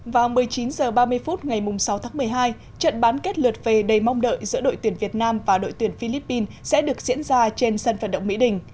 vào một mươi chín h ba mươi phút ngày sáu tháng một mươi hai trận bán kết lượt về đầy mong đợi giữa đội tuyển việt nam và đội tuyển philippines sẽ được diễn ra trên sân phận động mỹ đình